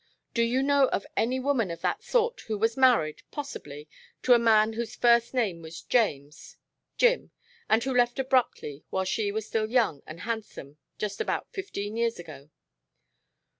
Do you know of any woman of that sort who was married possibly to a man whose first name was James Jim and who left abruptly, while she was still young and handsome, just about fifteen years ago?"